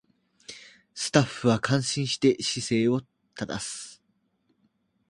スタッフは感心して姿勢を正す